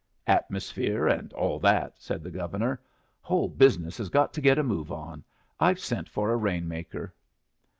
"Atmosphere, and all that," said the Governor. "Whole business has got to get a move on. I've sent for a rain maker."